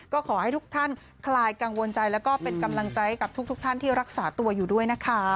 ก็ขอให้ทุกท่านคลายกังวลใจแล้วก็เป็นกำลังใจกับทุกท่านที่รักษาตัวอยู่ด้วยนะคะ